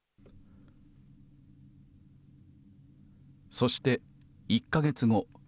そして１か月後。